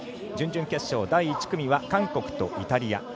準々決勝、第１組は韓国とイタリア。